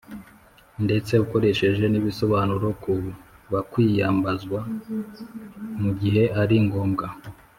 ndetse ukoresheje n’ibisobanuro ku bakwiyambazwa mu gihe ari ngombwa.